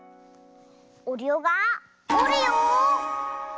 おるよがおるよ。